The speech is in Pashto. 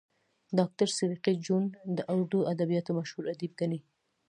ډاکټر صدیقي جون د اردو ادبياتو مشهور ادیب ګڼي